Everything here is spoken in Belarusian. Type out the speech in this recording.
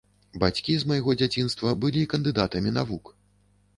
Бацькі з майго дзяцінства былі кандыдатамі навук.